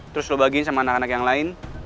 terus lo bagiin sama anak anak yang lain